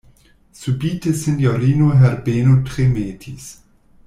Subite sinjorino Herbeno tremetis.